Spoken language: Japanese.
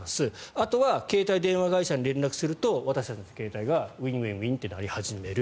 あとは携帯電話会社に連絡すると私たちの携帯がウィンウィンって鳴り始める。